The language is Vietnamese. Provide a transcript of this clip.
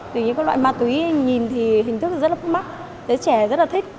từ những loại ma túy nhìn thì hình thức rất là phức mắc dưới trẻ rất là thích